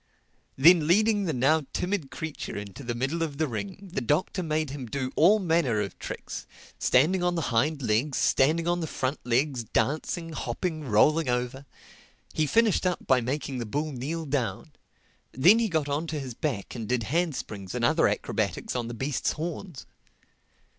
Then leading the now timid creature into the middle of the ring, the Doctor made him do all manner of tricks: standing on the hind legs, standing on the front legs, dancing, hopping, rolling over. He finished up by making the bull kneel down; then he got on to his back and did handsprings and other acrobatics on the beast's horns.